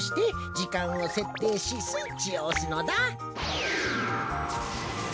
じかんをせっていしスイッチをおすのだ。